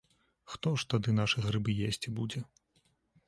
Хто ж тады нашы грыбы есці будзе?